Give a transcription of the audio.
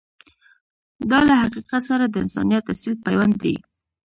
دا له حقیقت سره د انسانیت اصیل پیوند دی.